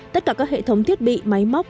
tất cả các hệ thống thiết bị máy móc